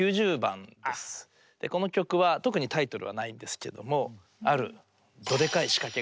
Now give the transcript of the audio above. この曲は特にタイトルはないんですけどもどデカイしかけ。